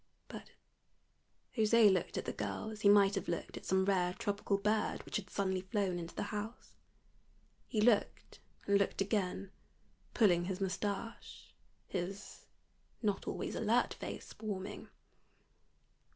But José looked at the girl as he might have looked at some rare tropical bird which had suddenly flown into the house. He looked and looked again, pulling his mustache, his not always alert face warming.